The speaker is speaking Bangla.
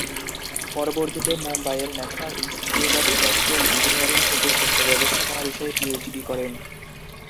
পরবর্তীতে মুম্বইয়ের National Institute of Industrial Engineering থেকে শিল্প ব্যবস্থাপনা বিষয়ে পিএইচডি করেন।